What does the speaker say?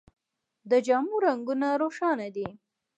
د جامو رنګونه روښانه دي.